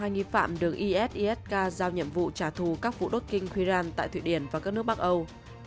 hai nghi phạm đường is isk giao nhiệm vụ trả thù các vụ đốt kinh khuyran tại thụy điển và các nước bắc âu